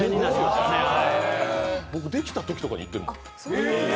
できたときとかに僕、行ってるもん。